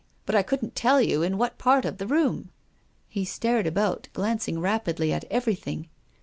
But I couldn't tell you in what part of the room." He stared about, glancing rapidly at everything.